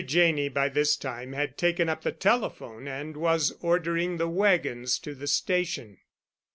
Janney by this time had taken up the telephone and was ordering the wagons to the station.